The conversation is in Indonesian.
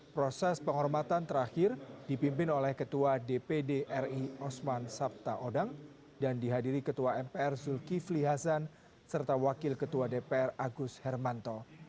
proses penghormatan terakhir dipimpin oleh ketua dpd ri osman sabta odang dan dihadiri ketua mpr zulkifli hasan serta wakil ketua dpr agus hermanto